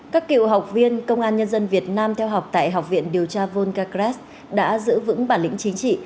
các cựu học viên công an nhân dân việt nam theo học tại học viện điều tra volcarkras đã giữ vững bản lĩnh chính trị